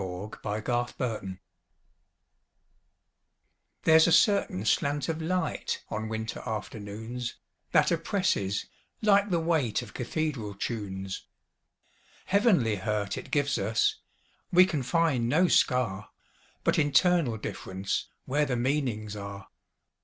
Part Two: Nature LXXXII THERE'S a certain slant of light, On winter afternoons, That oppresses, like the weightOf cathedral tunes. Heavenly hurt it gives us; We can find no scar, But internal differenceWhere the meanings are.